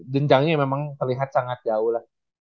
jenjangnya memang terlihat sangat jauh lah